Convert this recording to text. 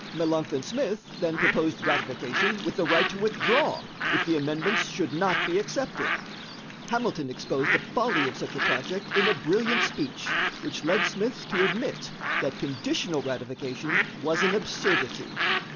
Melancthon Smith then proposed ratification with the right to withdraw if the amendments should not be accepted. Hamilton exposed the folly of such a project in a brilliant speech, which led Smith to admit that conditional ratification was an absurdity.